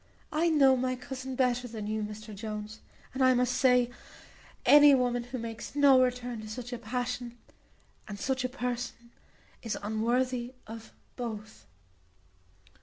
I know my cousin better than you, Mr Jones, and I must say, any woman who makes no return to such a passion, and such a person, is unworthy of both."